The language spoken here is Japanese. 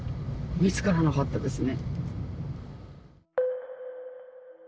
見つからなかったですね。